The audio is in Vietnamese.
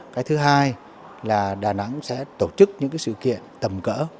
cái thứ hai là đà nẵng sẽ tổ chức những sự kiện tầm cỡ